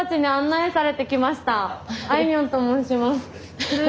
あいみょんと申します。